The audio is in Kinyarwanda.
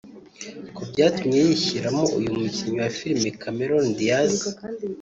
kuko byatumye yishyiramo uyu mukinnyi wa Filimi Cameron Diaz